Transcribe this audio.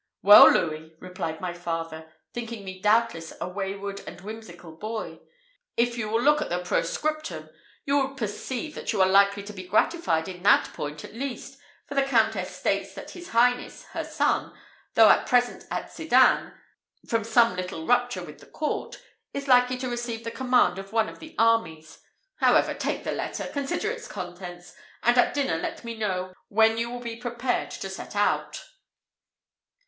"Well, Louis," replied my father, thinking me doubtless a wayward and whimsical boy, "if you will look at the proscriptum, you will perceive that you are likely to be gratified in that point at least, for the Countess states that his highness, her son, though at present at Sedan, from some little rupture with the court, is likely to receive the command of one of the armies. However, take the letter, consider its contents, and at dinner let me know when you will be prepared to set out."